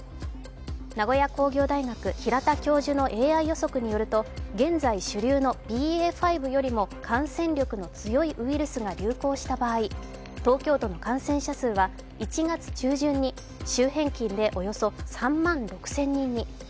名古屋工業大学平田教授のＡＩ予測によると現在主流のＢＡ．５よりも感染力の強いウイルスが流行した場合、東京都の感染者数は１月中旬に週平均でおよそ３万６０００人に。